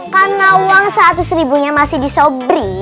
karena uang satu seribunya masih di sobri